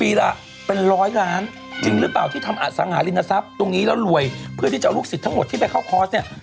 ละเป็นร้อยล้านจริงหรือเปล่าที่ทำอสังหาริมทรัพย์ตรงนี้แล้วรวยเพื่อที่จะเอาลูกศิษย์ทั้งหมดที่ไปเข้าคอร์สเนี่ย